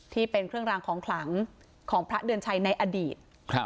ที่เป็นเครื่องรางของขลังของพระเดือนชัยในอดีต